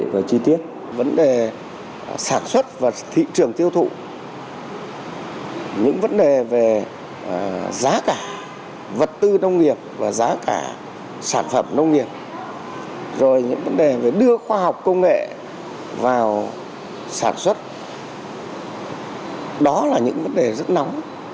vật tư nông nghiệp và giá cả sản phẩm nông nghiệp rồi những vấn đề đưa khoa học công nghệ vào sản xuất đó là những vấn đề rất nóng